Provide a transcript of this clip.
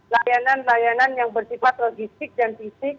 layanan layanan yang bersifat logistik dan fisik